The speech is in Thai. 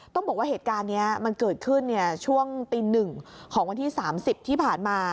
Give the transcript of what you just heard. ต้องบอกว่าเหตุการณ์เนี้ยมันเกิดขึ้นเนี่ยช่วงปีหนึ่งของวันที่สามสิบที่ผ่านมา